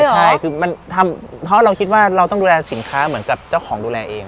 ใช่คือมันทำเพราะเราคิดว่าเราต้องดูแลสินค้าเหมือนกับเจ้าของดูแลเอง